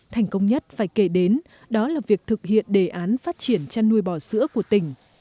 thành công nhất phải kể đến đó là việc thực hiện đề án phát triển chăn nuôi bò sữa của tỉnh